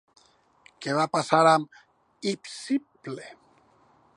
Què va passar amb Hipsíple?